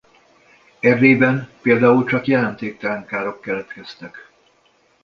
Erdélyben például csak jelentéktelen károk keletkeztek.